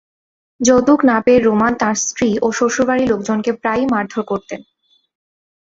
যৌতুক না পেয়ে রোমান তাঁর স্ত্রী ও শ্বশুরবাড়ির লোকজনকে প্রায়ই মারধর করতেন।